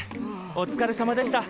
おつかれさまでした。